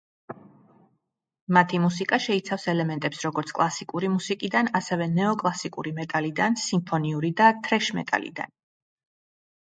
მათი მუსიკა შეიცავს ელემენტებს როგორც კლასიკური მუსიკიდან, ასევე ნეო-კლასიკური მეტალიდან, სიმფონიური და თრეშ მეტალიდან.